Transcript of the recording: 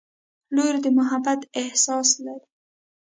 • لور د محبت احساس لري.